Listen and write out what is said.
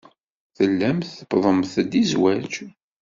Tellamt tuwḍemt-d i zzwaj.